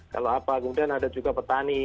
kalau apa kemudian ada juga petani